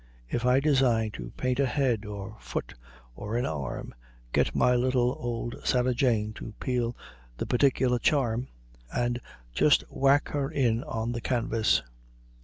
If I design to paint a head, or a foot, or an arm, get my little old Sarah Jane to peel the particular charm, and just whack her in on the canvas."